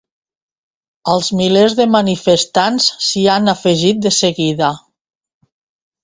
Els milers de manifestants s’hi han afegit de seguida.